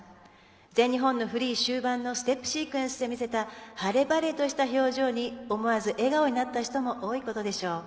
全日本の終盤のステップシークエンスで見せた晴れ晴れとした表情に思わず笑顔になった人も多いことでしょう。